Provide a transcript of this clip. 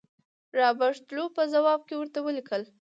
رابرټ لو په ځواب کې ورته ولیکل.